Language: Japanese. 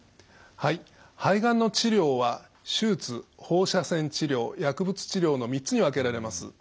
はい肺がんの治療は手術放射線治療薬物治療の３つに分けられます。